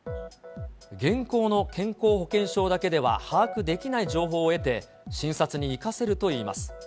現行の健康保険証だけでは把握できない情報を得て、診察に生かせるといいます。